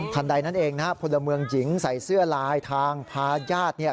ทันใดนั่นเองนะครับผลเมืองหญิงใส่เสื้อลายทางพาญาติ